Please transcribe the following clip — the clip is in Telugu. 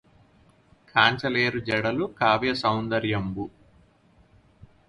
కాంచలేరు జడులు కావ్య సౌందర్యంబు